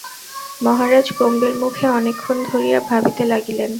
মহারাজ গম্ভীরমুখে অনেকক্ষণ ধরিয়া ভাবিতে লাগিলেন।